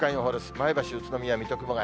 前橋、宇都宮、水戸、熊谷。